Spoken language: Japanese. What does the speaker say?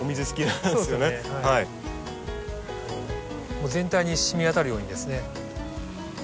もう全体に染み渡るようにですね。